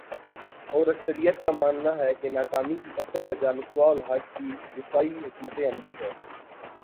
اور اکثریت کا ماننا ہے کہ ناکامی کی اصل وجہ مصباح الحق کی دفاعی حکمت عملی ہے